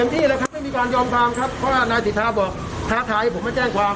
ที่เลยครับไม่มีการยอมความครับเพราะว่านายสิทธาบอกท้าทายผมมาแจ้งความ